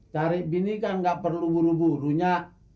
cari bini kan ga perlu buru buru nya